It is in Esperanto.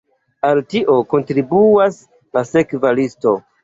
Al tio kontribuas la sekva listo.